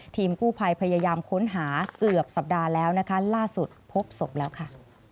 ทีมกู้ภัยพยายามค้นหาเกือบสัปดาห์แล้วนะคะล่าสุดพบศพแล้วค่ะ